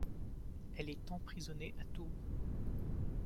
Elle est emprisonnée à Tours.